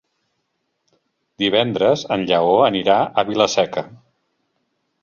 Divendres en Lleó anirà a Vila-seca.